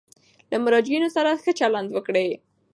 له مراجعینو سره ښه چلند وکړئ.